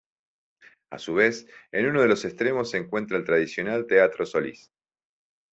A su vez, en uno de sus extremos se encuentra el tradicional Teatro Solís.